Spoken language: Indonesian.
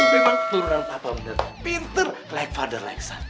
itu memang penurunan papa bener pinter like father like son